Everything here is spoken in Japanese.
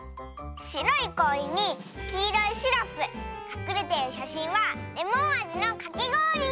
しろいこおりにきいろいシロップかくれてるしゃしんはレモンあじのかきごおり！